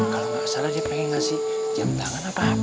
kalo gak salah dia pengen ngasih jam tangan apa hp